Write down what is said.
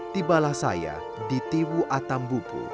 tibalah saya di tiwu atambupu